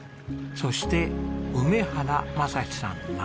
そして梅原雅士さん